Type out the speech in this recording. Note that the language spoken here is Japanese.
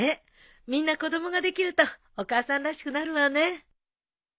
みんな子供ができるとお母さんらしくなるわね。